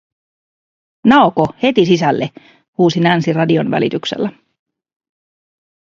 "Naoko, heti sisälle", huusi Nancy radion välityksellä.